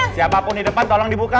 siapapun di depan tolong dibuka